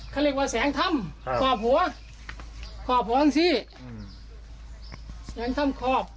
เขาเรียกว่าแสงธรรมครอบหัวครอบห้องสี่แสงธรรมครอบ